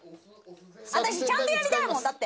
私ちゃんとやりたいもんだって。